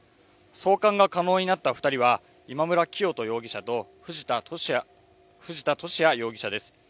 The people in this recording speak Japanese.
送還が可能になった２人は今村磨人容疑者と藤田聖也容疑者です。